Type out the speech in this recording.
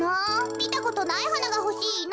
みたことないはながほしいな。